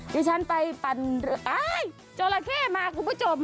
เดี๋ยวฉันไปปั่นโจระแค่มาคุณผู้ชม